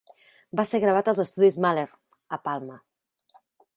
Va ser gravat als estudis Maller, a Palma.